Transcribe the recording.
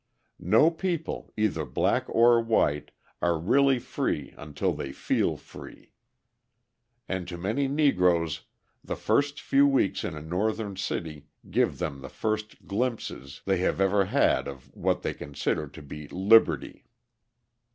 No people, either black or white, are really free until they feel free. And to many Negroes the first few weeks in a Northern city give them the first glimpses they have ever had of what they consider to be liberty.